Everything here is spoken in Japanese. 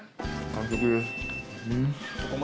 完食です。